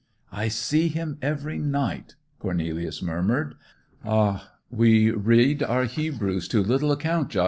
'I see him every night,' Cornelius murmured ... 'Ah, we read our Hebrews to little account, Jos!